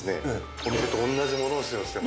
お店と同じものを使用しています。